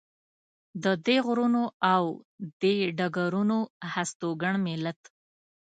د دې غرونو او دې ډګرونو هستوګن ملت.